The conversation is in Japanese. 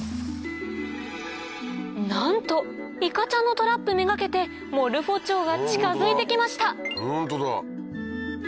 なんといかちゃんのトラップ目掛けてモルフォチョウが近づいてきました